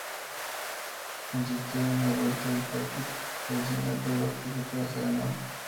Consistió en una vuelta al Parque Cousiño, prueba que Plaza ganó.